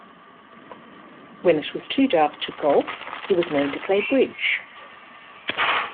When it was too dark to golf, he was known to play bridge.